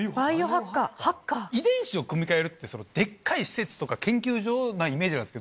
遺伝子を組み換えるってデッカい施設とか研究所なイメージなんですけど。